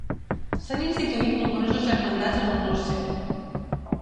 S'han instituït nombroses germandats en honor seu.